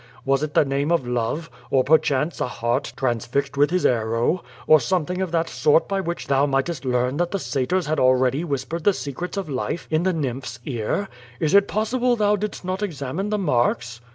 Was it the name of Love, or, perchance, a heart transfixed with his arrow, or something of that sort by which thou mightest learn that the Satyrs had already whispered the secrets of life in the nymph's ear? Is it possible thou didst not examine the marks?"